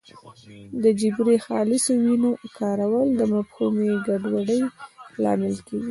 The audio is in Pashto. د جبري خالصو ویونو کارول د مفهومي ګډوډۍ لامل کېږي